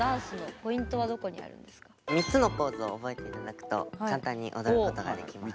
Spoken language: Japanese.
３つのポーズを覚えて頂くと簡単に踊ることができます。